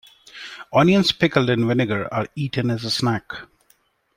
Onions pickled in vinegar are eaten as a snack.